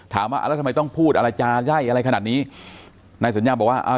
อ่าแล้วทำไมต้องพูดอะไรจาไล่อะไรขนาดนี้นายสัญญาบอกว่าอ่า